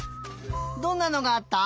どんなのがあった？